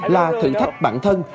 là thử thách bản thân